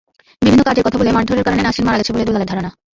বিভিন্ন কাজের কথা বলে মারধরের কারণে নাসরিন মারা গেছে বলে দুলালের ধারণা।